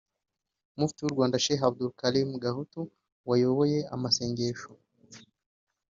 Mufti w’u Rwanda Sheik Abdul Karim Gahutu wayoboye amasengesho